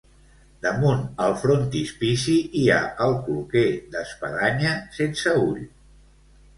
Damunt el frontispici hi ha el cloquer, d'espadanya, sense ull.